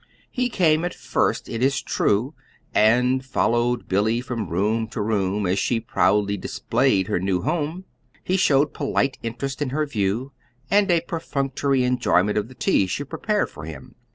He came once at first, it is true, and followed Billy from room to room as she proudly displayed her new home. He showed polite interest in her view, and a perfunctory enjoyment of the tea she prepared for him.